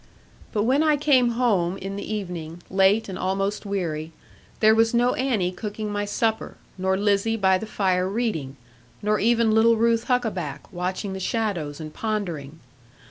But when I came home in the evening, late and almost weary, there was no Annie cooking my supper, nor Lizzie by the fire reading, nor even little Ruth Huckaback watching the shadows and pondering.